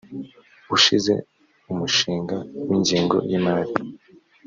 ushize umushinga w ingengo y imari